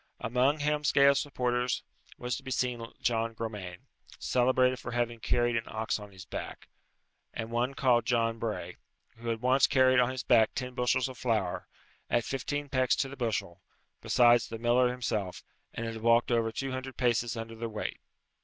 Amongst Helmsgail's supporters was to be seen John Gromane, celebrated for having carried an ox on his back; and one called John Bray, who had once carried on his back ten bushels of flour, at fifteen pecks to the bushel, besides the miller himself, and had walked over two hundred paces under the weight.